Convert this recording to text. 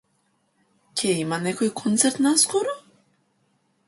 Ќе има некој концерт наскоро?